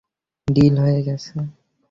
Deal হয়ে গেছে?